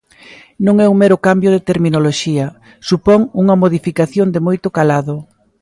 Non é un mero cambio de terminoloxía, supón unha modificación de moito calado.